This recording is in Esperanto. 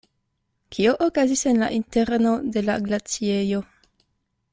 Kio okazis en la interno de la glaciejo?